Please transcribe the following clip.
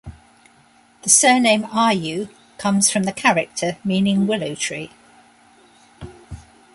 The surname "Ryoo" comes from the character meaning willow tree.